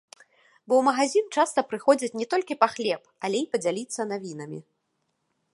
Бо ў магазін часта прыходзяць не толькі па хлеб, але і падзяліцца навінамі.